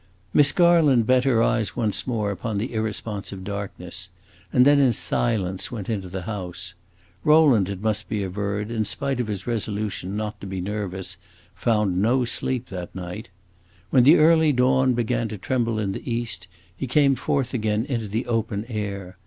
Miss Garland bent her eyes once more upon the irresponsive darkness, and then, in silence, went into the house. Rowland, it must be averred, in spite of his resolution not to be nervous, found no sleep that night. When the early dawn began to tremble in the east, he came forth again into the open air.